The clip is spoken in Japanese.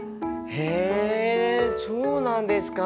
そうなんですか。